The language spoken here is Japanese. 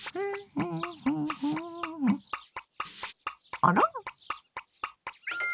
あら？